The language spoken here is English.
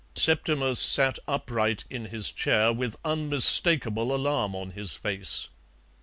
Septimus sat upright in his chair, with unmistakable alarm on his face.